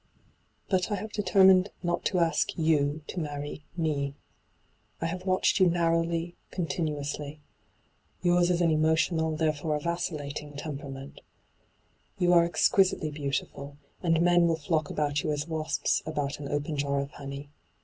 ' But I have determined not to ask you to marry me. I have watched you narrowly, continuously. Yours is an emotional, there fore a vacillating, temperament. Yon are exquisitely beautiful, and men will flock about you as wasps about an open jar of honey.